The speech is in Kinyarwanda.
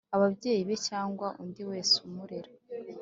ababyeyi be cyangwa undi wese umurera